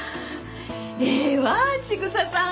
ええわ千草さん。